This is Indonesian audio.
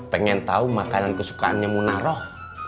pengen tahu makanan kesukaannya munaroh